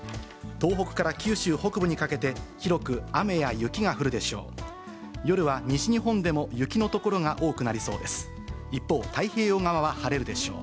東北から九州北部にかけて、広く雨や雪が降るでしょう。